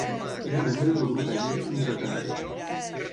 Era membre del grup ètnic Nzakara.